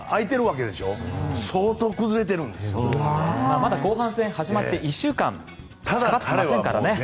まだ後半戦、始まって１週間しかたってませんからね。